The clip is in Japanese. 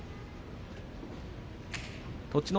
栃ノ